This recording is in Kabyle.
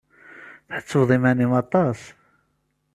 Tḥettbeḍ iman-im aṭas!